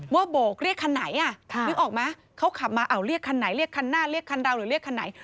โบกเรียกคันไหนนึกออกไหมเขาขับมาเรียกคันไหนเรียกคันหน้าเรียกคันเราหรือเรียกคันไหน